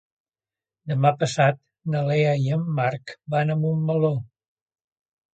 Demà passat na Lea i en Marc van a Montmeló.